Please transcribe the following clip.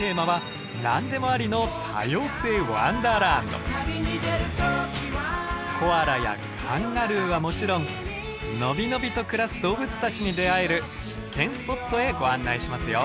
旅のテーマはコアラやカンガルーはもちろん伸び伸びと暮らす動物たちに出会える必見スポットへご案内しますよ。